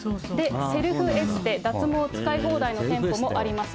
セルフエステ、脱毛使い放題の店舗もあります。